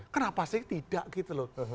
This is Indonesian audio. kenapa sih tidak gitu loh